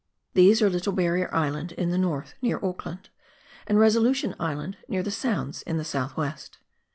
These are Little Barrier Island in the north, near Auckland, and Resolution Island, near the Sounds in the south west.